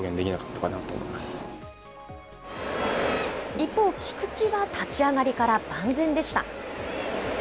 、一方、菊池は立ち上がりから万全でした。